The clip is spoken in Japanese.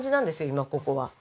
今ここは。